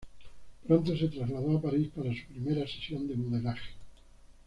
Pronto se trasladó a París para su primera sesión de modelaje.